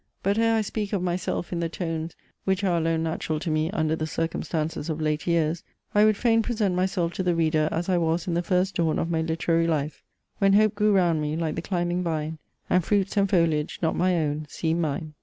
But, ere I speak of myself in the tones, which are alone natural to me under the circumstances of late years, I would fain present myself to the Reader as I was in the first dawn of my literary life: When Hope grew round me, like the climbing vine, And fruits, and foliage, not my own, seem'd mine!